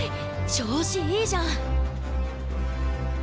調子いいじゃん！